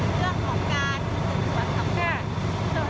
และความสุขของคุณค่ะ